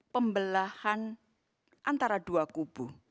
pembelahan antara dua kubu